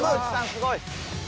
すごい。